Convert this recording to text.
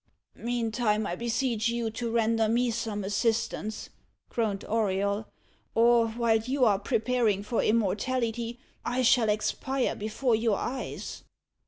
"Meantime, I beseech you to render me some assistance," groaned Auriol, "or, while you are preparing for immortality, I shall expire before your eyes."